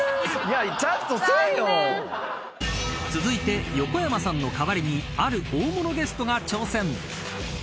［続いて横山さんの代わりにある大物ゲストが］